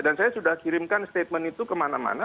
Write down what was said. dan saya sudah kirimkan statement itu kemana mana